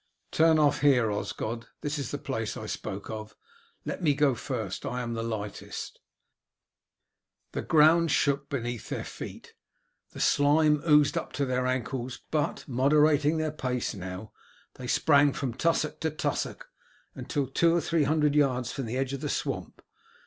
"Turn off here, Osgod; this is the place I spoke of. Let me go first, I am lightest." The ground shook beneath their feet, the slime oozed up to their ankles, but, moderating their pace now, they sprang from tussock to tussock until two or three hundred yards from the edge of the swamp.